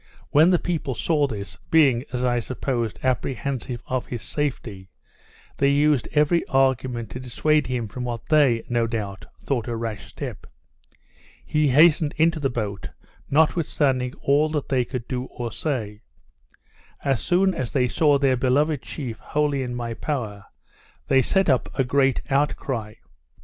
When the people saw this, being, as I supposed, apprehensive of his safety, they used every argument to dissuade him from what they, no doubt, thought a rash step. He hastened into the boat, notwithstanding all they could do or say. As soon as they saw their beloved chief wholly in my power, they set up a great outcry.